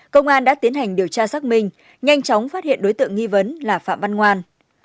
công an đã tiến hành điều tra xác minh nhanh chóng phát hiện đối tượng nghi vấn là phạm văn ngoan